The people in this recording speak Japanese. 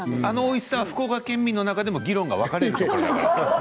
あのおいしさは福岡県民の中でも議論が分かれるんです。